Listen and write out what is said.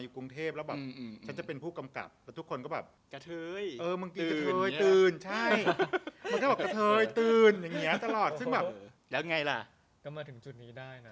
ก็มาถึงจุดนี้ได้นะ